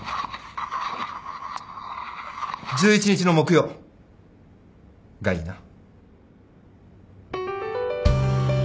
１１日の木曜がいいな。